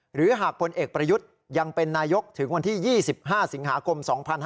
หรือหากพลเอกประยุทธ์ยังเป็นนายกถึงวันที่๒๕สิงหาคม๒๕๕๙